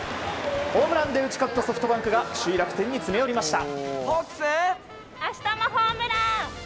ホームランで打ち勝ったソフトバンクが首位、楽天に詰め寄りました。